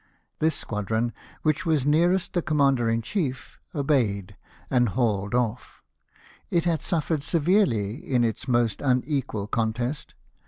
This squadron, which was nearest the commander in chief, obeyed, and hauled off. It had suffered severely in its most unequal contest.